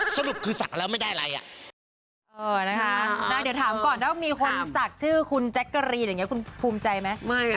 สรุปคือสักแล้วไม่ได้อะไรอะ